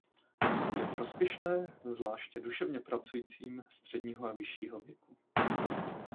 Je prospěšné zvláště duševně pracujícím středního a vyššího věku.